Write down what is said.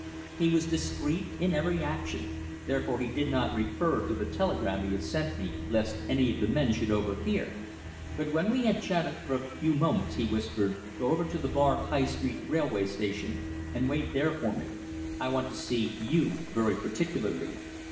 He was discreet in his every action, therefore he did not refer to the telegram he had sent me lest any of the men should overhear, but when we had chatted for a few moments he whispered "Go over to the bar at High Street Railway Station and wait there for me. I want to see you very particularly."